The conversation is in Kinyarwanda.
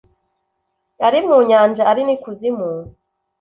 ari mu nyanja ari n’ikuzimu